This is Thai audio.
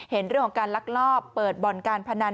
เห็นเรื่องของการลักลอบเปิดบ่อนการพนัน